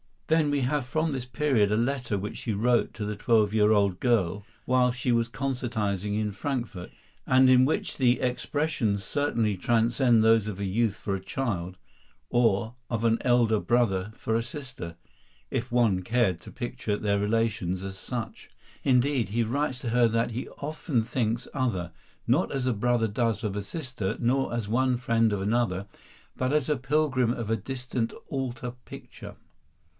Then we have from this period a letter which he wrote to the twelve year old girl while she was concertizing in Frankfort, and in which the expressions certainly transcend those of a youth for a child, or of an elder brother for a sister, if one cared to picture their relations as such. Indeed, he writes to her that he often thinks other "not as a brother does of a sister, nor as one friend of another, but as a pilgrim of a distant altar picture."